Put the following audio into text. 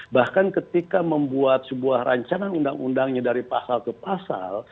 bahkan ketika membuat sebuah rancangan undang undangnya dari pasal ke pasal